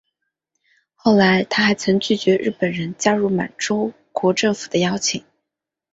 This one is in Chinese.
后来他还曾拒绝日本人加入满洲国政府的邀请。